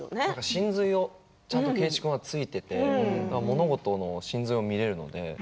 神髄を圭一君はちゃんとついていて物事の神髄を見られるので。